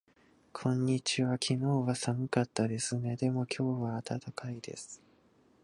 こんにちは。昨日は寒かったですね。でも今日は暖かいです。